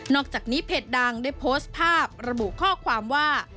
อกจากนี้เพจดังได้โพสต์ภาพระบุข้อความว่า